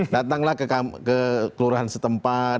datanglah ke kelurahan setempat